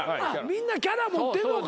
みんなキャラ持ってんのか。